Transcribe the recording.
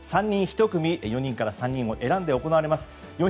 ３人１組、４人から３人を選んで行われます。